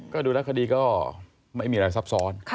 ก็ดูแล้วคดีก็ไม่มีอะไรซับซ้อน